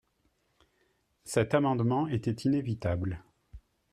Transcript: Cet amendement était inévitable.